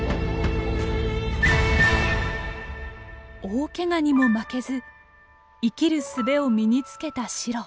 大けがにも負けず生きるすべを身につけたシロ。